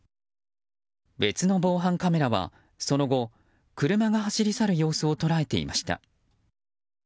別の防犯カメラはその後、車が走り去る様子を捉えていました。